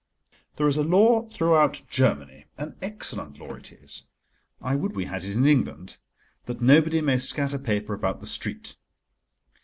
There is a law throughout Germany—an excellent law it is: I would we had it in England—that nobody may scatter paper about the street.